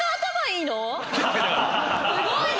すごいね！